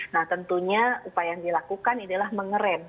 nah tentunya upaya yang dilakukan adalah mengerem